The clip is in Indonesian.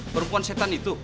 perempuan setan itu